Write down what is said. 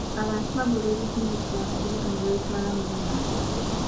Abantu bagula ebizimbisibwa mu kibuga ne babitwala mu byalo.